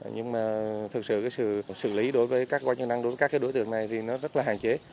nhưng thực sự sự lý đối với các quan trọng năng đối với các đối tượng này rất là hạn chế